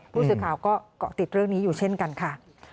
ผู้สื่อข่าวก็เกาะติดเรื่องนี้อยู่เช่นกันค่ะ